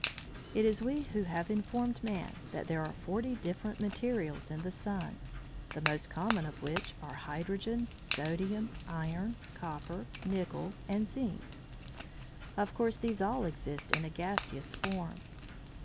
It is we who have informed man that there are forty different materials in the sun, the most common of which are hydrogen, sodium, iron, copper, nickel, and zinc. Of course these all exist in a gaseous form.